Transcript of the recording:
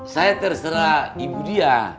saya terserah ibu dia